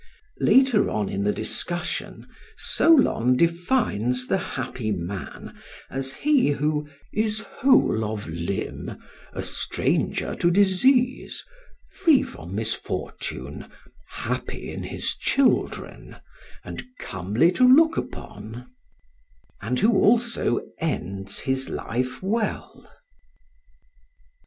Later on in the discussion Solon defines the happy man as he who "Is whole of limb, a stranger to disease, free from misfortune, happy in his children, and comely to look upon," and who also ends his life well.